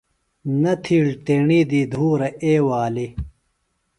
نہ تِھیڑ تیݨی دی دُھورہ اے والی۔